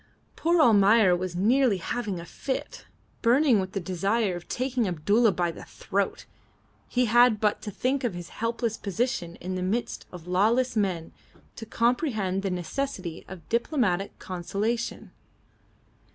Poor Almayer was nearly having a fit. Burning with the desire of taking Abdulla by the throat, he had but to think of his helpless position in the midst of lawless men to comprehend the necessity of diplomatic conciliation.